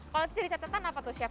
kalau bisa jadi catatan apa tuh chef